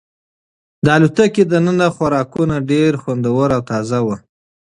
د الوتکې دننه خوراکونه ډېر خوندور او تازه وو.